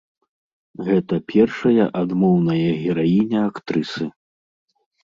Гэта першая адмоўная гераіня актрысы.